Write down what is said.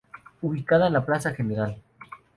Ubicada en la Plaza Gral.